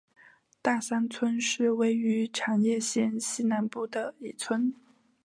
大桑村是位于长野县西南部的一村。